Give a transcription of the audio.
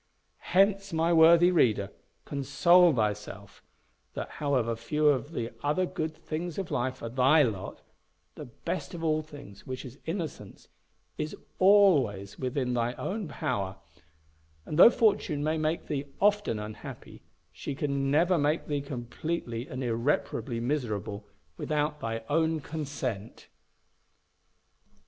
Hence, my worthy reader, console thyself, that however few of the other good things of life are thy lot, the best of all things, which is innocence, is always within thy own power; and, though Fortune may make thee often unhappy, she can never make thee completely and irreparably miserable without thy own consent.